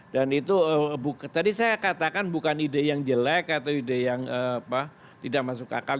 dan itu tadi saya katakan bukan ide yang jelek atau ide yang tidak masuk akal